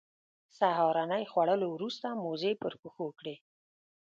سهارنۍ خوړلو وروسته موزې پر پښو کړې.